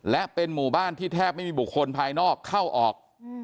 และเป็นหมู่บ้านที่แทบไม่มีบุคคลภายนอกเข้าออก